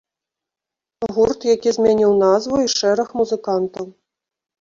Гурт, які змяніў назву і шэраг музыкантаў.